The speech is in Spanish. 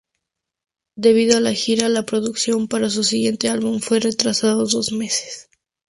Debido a la gira, la producción para su siguiente álbum fue retrasado dos meses.